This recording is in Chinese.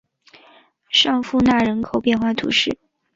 尚博纳人口变化图示